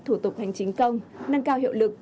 thủ tục hành chính công nâng cao hiệu lực